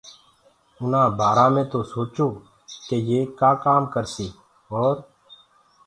اُنآ بآرآ مي تو سوچو ڪي يي ڪآم ڪآ ڪرسيٚ اور